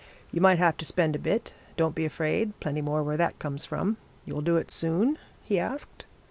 'You might have to spend a bit. Don't be afraid plenty more where that comes from. You'll do it soon?' he asked.